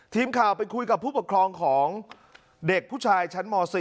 ทีมข่าวไปคุยกับผู้ปกครองของเด็กผู้ชายชั้นม๔